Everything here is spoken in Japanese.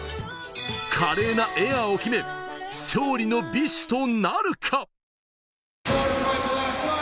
華麗なエアを決め、勝利の美酒となるか。